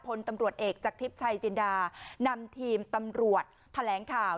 พลตำรวจเอกจากทิพย์ชัยจินดานำทีมตำรวจแถลงข่าว